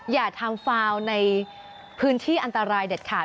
อย่าทำฟาวในพื้นที่อันตรายเด็ดขาด